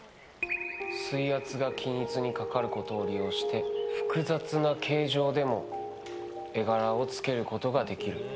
水圧が均一にかかることを利用して複雑な形状でも絵柄をつけることができる。